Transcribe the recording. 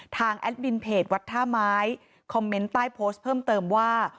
แอดมินเพจวัดท่าไม้คอมเมนต์ใต้โพสต์เพิ่มเติมว่า